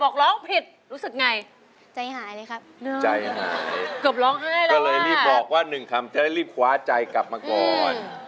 ก็เลยรีบบอกว่า๑คำเธอได้รีบคว้าใจกลับมาก่อน